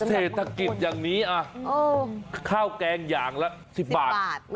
เศรษฐกิจอย่างนี้ข้าวแกงอย่างละ๑๐บาท